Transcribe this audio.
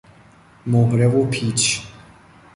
مهره و پیچ